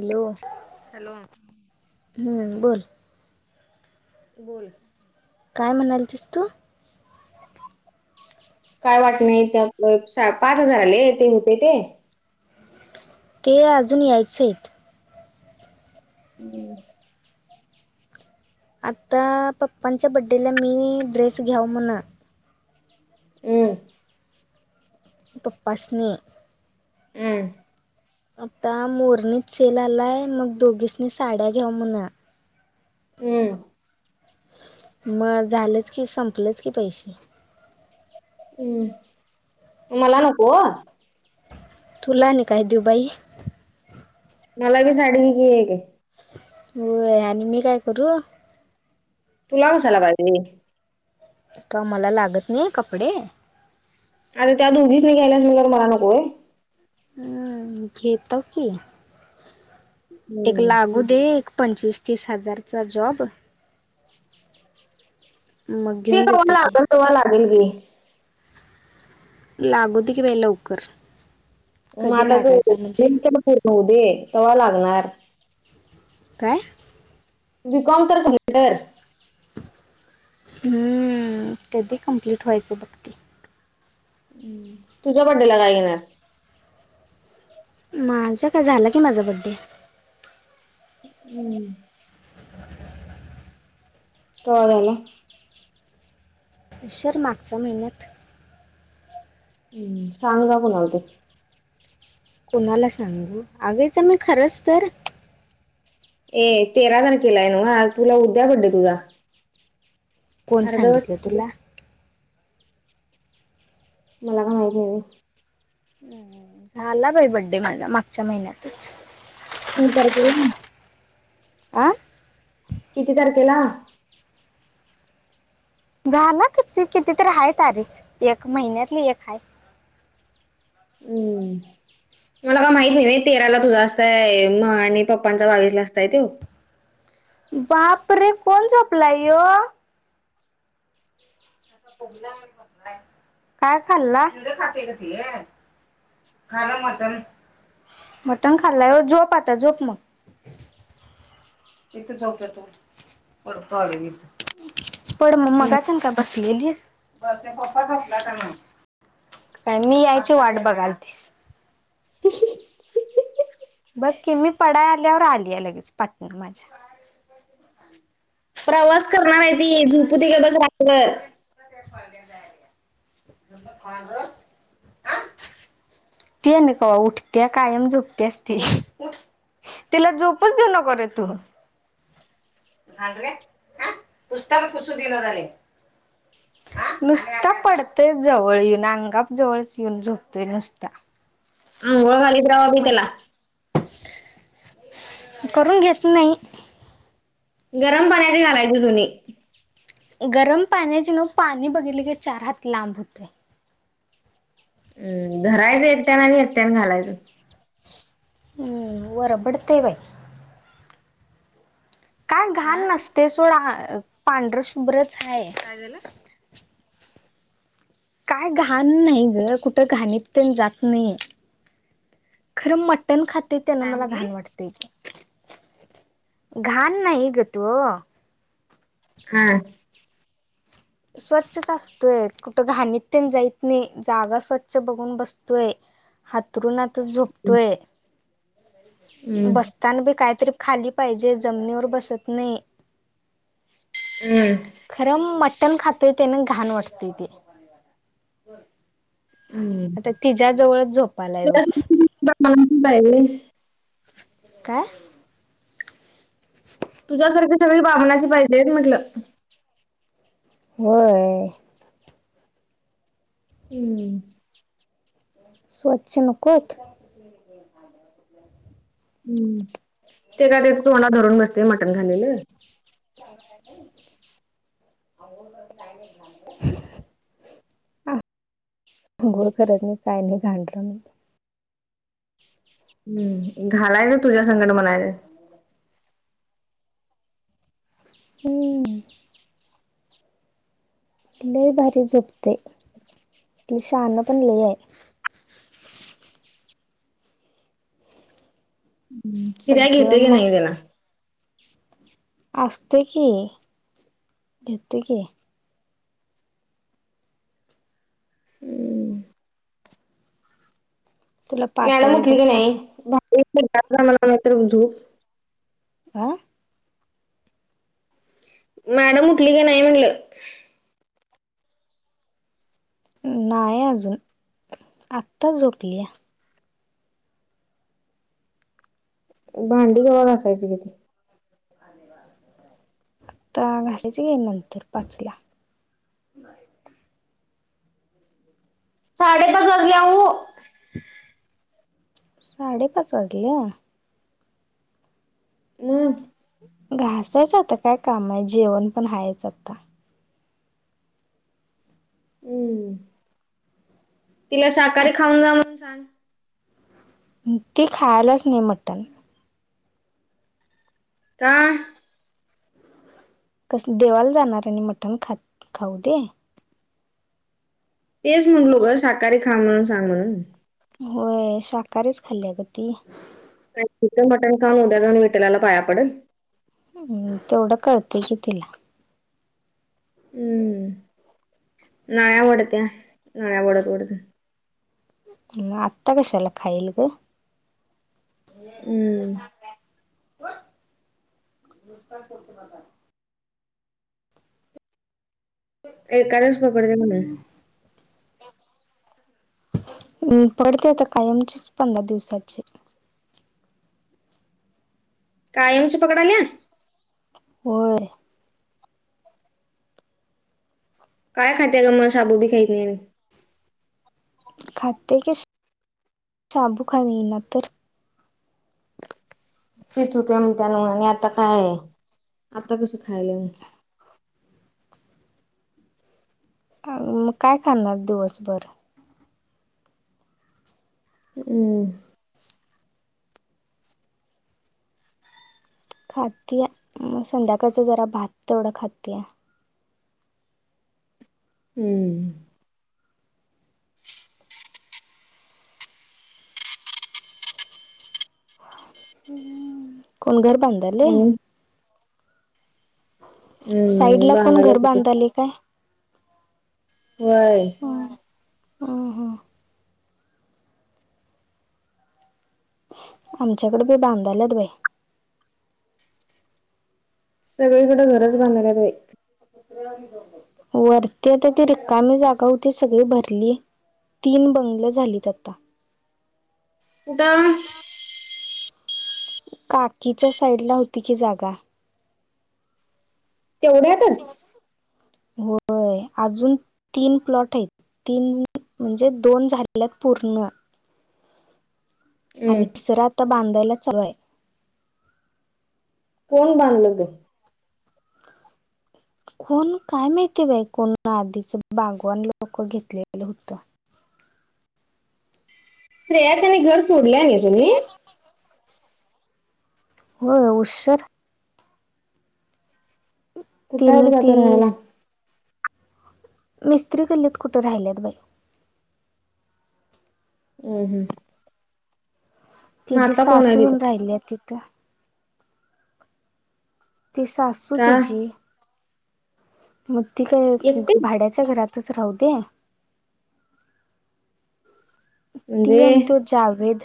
Hello hello हम्म बोल बोल काय म्हणाल तस तू काय वाट नाही पाच हजार आले ते होते ते ते अजून यायचे आहेत हम्म. आता पप्पांच्या बड्डेला मी ड्रेस घ्याव म्हणा हम् प पा स्नी हम्म आता मोरणीच सेल आलाय मग दोघीसनी साड्या घ्याऊ म्हण हम्म मग झालंच की संपलंच की पैसे श [inaudible] तुला नाही काय देऊ बाई मला बी साडी घ की एक आहे ह आणि मेघाय क रू तू लावसाला पाहिजे तर आम्हाला लागत नाही कपडे आणि त्या दुधीच मी घ्यायस म मला नकोय हम्म घेतो की एक हम्म लाग ते एक पंचवीस तीस हजारचा जॉब मग ते घेऊन क देतो की लागल क्हा लागेल गी [inaudible] मग कधी आता लागायचा म्हणजे फ नऊ दे तेव्हा लागणार काय? बीकॉम तर कर हम्म. कधी कम्प्लीट व्हायचं बघ ते. हम्म तुझ्या बड्डेला काय घेणार? माझं काय? झालं की माझा बड्डे. हम्म. काय [unintelligible] उशर मागच्या महिन्यात. हम्म. सांगा जा कुणाला ते कोणाला सांगू? [unintelligible] मी खरंच तर ए तेरा तारखेला हाय नव्ह? आज तुला उद्या बडे तुझा. कोण अर्धवट सांगितलं तुला? मला काय माहित नई व्हय. हम्म. झाला बाई बड्डे माझा मागच्या महिन्यातच. तीन तारखेला आ? किती तारखेला? झाला किती कितीतरी हाय तारीख एक महिन्यातली एक हाय. हम्म. मला का माहित नई व्हय तेराला तुझा असतंय, मग आणि पप्पांचा बावीसला असताय तो. बापरे रे! कोण झोपलाय ह्यो? खोकला काय खाल्ला? कीड खातय ग ते? खाल्लं मटण. मटण खाल्लंय व्हय. झोप आता झोप मग. इथं झोपला तू पड मग मगाचन का बसू गेलीस. परत ते पप्पा झोपला काय नाही? काय मी यायची वाट बघालतीस? बघ की मी पडाय आल्यावर आल्या लगीच पाटण माझ्या प्रवास करणार हाय ती झुपू दे गप बस रातभर. [unintelligible] माग ती आणि कव्हा उठत्या कायम झोपत्याच ती. तिला झोपूच देऊ नको रे तू. [unintelligible] हा. पुसताना पुसू दिना झालंय. हा. नुसता पडतंय जवळ येऊन अंगाप जवळच येऊन झोपतोय नुसता. अंघोळ घालीत राव्हा की त्याला. करून घेत नई. गरम पाण्याची घालायची जुनी. गरम पाण्याची नव्हं पाणी बघितलं की चार हात लांब हुतंय. अ धरायचं एकट्यानं आणि एकट्यानं घालायचं. हम्म. वरबडतंय बाई. काय घाण आ नसतेय सोड हा पांढरं शुभ्रच हाय. काय झालं? काय घाण न्हाई गं कुठं घाणीत तेन जात नाई. खरं मटण खातंय त्यानं काय मला घाण म्हणलीस वाटतंय. घाण नाई गं तो. हा. स्वच्छच असतोय, कुठं घाणीत तेन जाईत नाई जागा स्वच्छ बघून बसतोय. हातरूनातच झोपतोय. हम्म, बस तान बी काहीतरी खाली पाहिजे, जमिनीवर बसत नई. हम्म. खरं मटण खातंय, त्यानं घाण वाटतेय ते. हम्म. आता तिच्या जवळच झोपायलाय बग [unintelligible] [unintelligible] काय? [inaudible] तुझ्यासारखी सगळी बामनाची पाहिजेत म्हटलं होय हम्म स्वच्छ नकत हम्म ते काय ते तुम्हाला धरून बसते मटण खालेलं णार गुळ करत मी काय नाही घांटलं म हम्म घालायचं तुझ्या संकट म्हणायच हम्म लय भारी झोपते शान पण लय आहे ् चिऱ्या घेते सगळं की म नाही त्याला अससत की घेतो की तुला गड पाठवले म्हठली बघ की नाही फोटो म नाही तरुझू हं मॅडम उठली की नाही म्हटलं नाही अजून आत्ता झोपली आहे भांडी गवा कायची किती आता घयच गे नंतर पाचला साडे [unintelligible] साडेपाच वाजले म घासायचं आता काय काम आहे जेवण पण हायचं आता हम्म तिला शाकाहारी खाऊन जा म्हणून सांग ते खायलाच नाही मटन का कस देवाला जाणार आहे आणि मठण खात खाऊ दे तेच म्हटलो ग स साकाहारी खा म्हणून सांग म्हणून होय शाकाहारीच खाल्ली ग ती का चिकन मटन खाल उद्या जाऊन विठला पाया पडेल ह् ते एवढ करळतकला हम्म नळ्या वाडत नळ्या वाडत उढत अता कशला खयल ग हमं च करतात एकादच पकडते म्हणे [unintelligible] हम् पडते आता कायमचीच पंधरा दिवसाची कायमच पकडा न वर काय खातेय ग म साबू बी खाेत नाही खातात की साबू खा ना तर तिच होते म्हण त्यान आणि आता काय आता कसं खायला अ मग काय खाणार दिवसभर हम्म खात संध्याकाळचं जरा भात तेवढं खाती आहे हम्म कोण घर बनध हम्म साईड हम्म ला कोण बांधायला घर तिथे बांधले काय वय हो हो हो आमच्याकडे बी बांधालत बाई सगळीकडें घरच बांधायच आहे त्रग गोब वरती आता त रिकामी जागा होती सगळी भरली तीन बंगल झालीत आता एकदम काकीच्या साईडला होती की जागा तेवढ्यातच होय अजून तीन प्लॉट आहेत तीन म्हणजे दोन झालेल्या पूर्ण हम्म आणि तिसरा आता बांधायला हवाय कोण बांधलं ग कोण काय माहिती बाई कोण आधीच बागवान लोक घेतलेलं होतं श्रेयाचं आणि घर सोडलंय नाही तुम्ही ह हो उशर खुटा आहेत तिने त का तर ती राहायला मिस्त्री कलीत कुठं राहिल्यात बाई हम हम तिचीे कोण आहे तिथं सासूवीन राहिली आहे तिथं ती सासू का तिचीी मग त काय एकटीच भाड्या रा दे म्हणजे जावेद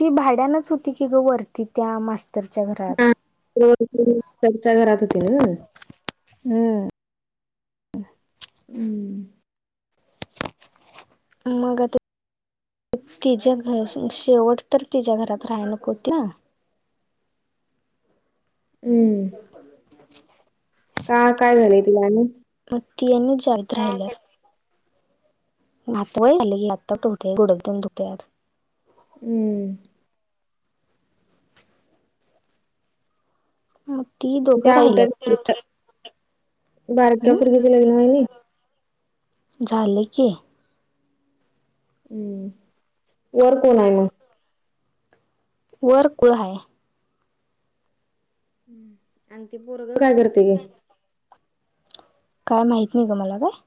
ती भाड्यानच होती की ग वरती त्या मास्तरच्या घरात त्यांच्या घरात होती ना हो हम्म मग ते तिच्या घर शेवट तर तिच्या्या घरात राह नक होत हम्म [inaudible] का काय झालंय तिला आणि मग तिन जत राहिलं हवा झाली आता ठेवते गोडद धुततेत हम्म म ती दोघं त्या राहिल्यात आवट्या तिथ बारक्या हम्म पूर्गेचे लग्न आहे ना झालं की हम्म वर कोण आहे मग वर कुळय आणि ते बरग काय करते ग काय माहीत नाही का मला काय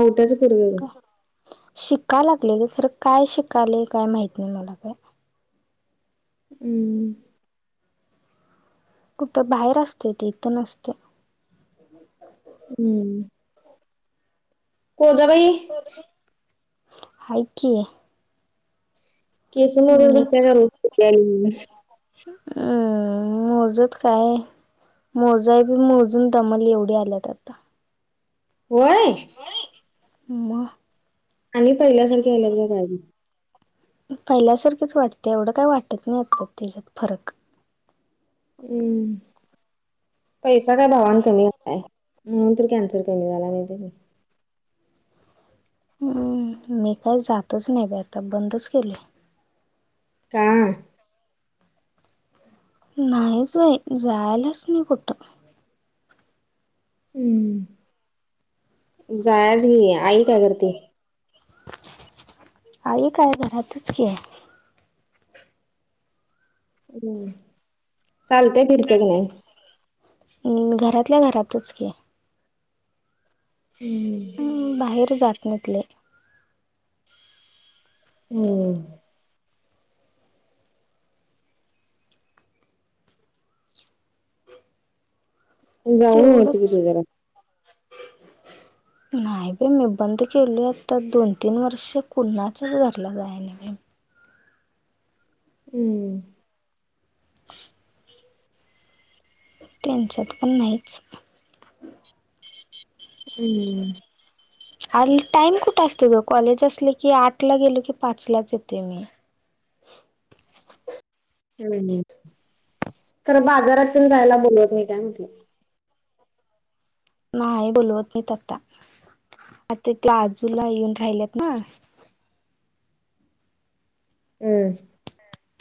आवटच करू काय शिका लागले का सर काय शिकाले काय माहत नाही मला काय हम्म कुठं बाहेर असते ते इथं नसते. हम्म कोझ भाई हाय की मी [unintelligible] ह मोजत काय मोजा आहे बी मोजून दमल एवढी आल्यात आता. वय [unintelligible] आणि पहिल्यासारखी आयल्याग का पहिल्यासारखेच वाटते एवढं काही वाटत नाही असतात त्याच्यात फरक हम्म पैसा काय भावान कमी झालाय म्हून तर कॅन्सर कमी झाला माहि हम्म मी काही जातच नाही ब आता बंदच केलं. का? नाहीईच बाई जायलास नाही कुठ हम्म जायच घे आई काय करते? आई काय घरातच की हम् चालते फिरते का ग नाही? घरातल्या घरातच की हम्म बाहेर जात नाहीत लय. हम्म जाऊन यायचं की तेवढंच तू जरा नाही ब मी बंद केल आता दोन तीन वर्ष कुणाच घरला जाई ना. हम्म त्यांच्यात पण नाहीच. हम्म आणि टाइम कुठे असतो ग कॉलेज असलं की आठ ला गेलो की पाचलाच येते मी. ह खरं बाजारातून जायला बोलवत म काय म्हण नाही बोलवत नाही तर आता आता ते आजूला येऊन राहिलेत ना हमं